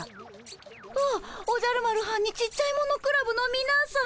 あおじゃる丸はんにちっちゃいものクラブのみなさん。